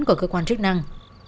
của cơ quan chức năng